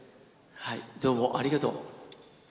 どうもありがとう。